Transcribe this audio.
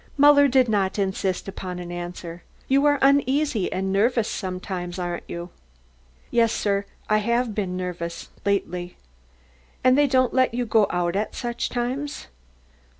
Muller did not insist upon an answer. "You are uneasy and nervous sometimes, aren't you?" "Yes, sir, I have been nervous lately." "And they don't let you go out at such times?"